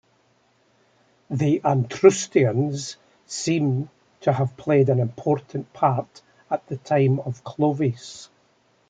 The "antrustions" seem to have played an important part at the time of Clovis.